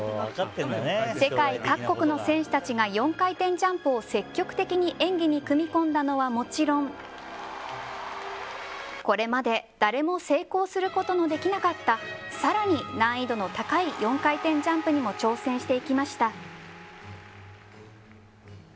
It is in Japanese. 世界各国の選手たちが４回転ジャンプを積極的に演技に組み込んだのはもちろんこれまで誰も成功することのできなかった更に難易度の高い４回転ジャンプにも挑戦していきました。